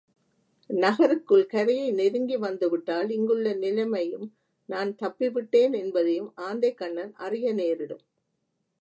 நகருக்குள் கரையை நெருங்கி வந்துவிட்டால் இங்குள்ள நிலைமையையும் நான் தப்பிவிட்டேன் என்பதையும் ஆந்தைக் கண்ணன் அறிய நேரிடும்.